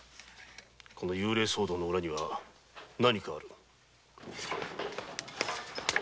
この幽霊騒動の裏には何かある。